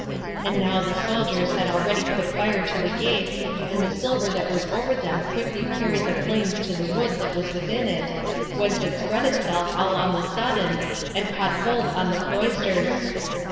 And now the soldiers had already put fire to the gates, and the silver that was over them quickly carried the flames to the wood that was within it, whence it spread itself all on the sudden, and caught hold on the cloisters.